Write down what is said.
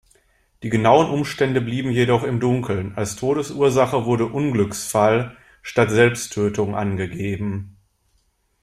Die genauen Umstände bleiben jedoch im Dunkeln, als Todesursache wurde „Unglücksfall“ statt „Selbsttötung“ angegeben.